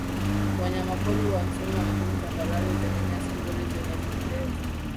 Wanyamapori kwa msimu maalumu Tambarare zenye nyasi nzuri zenye kupendeza